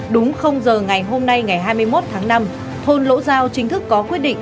đúng giờ ngày hôm nay ngày hai mươi một tháng năm thôn lỗ giao chính thức có quyết định